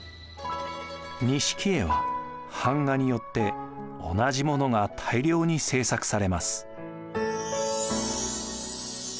錦絵は版画によって同じものが大量に制作されます。